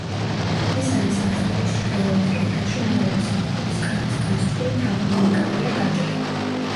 მესამე სართულის ჩრდილოეთ კედელში, მეორე სართულის კარის გასწვრივ, თაღოვანი კარია გაჭრილი.